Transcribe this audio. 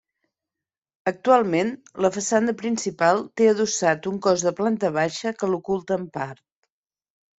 Actualment la façana principal té adossat un cos de planta baixa que l'oculta en part.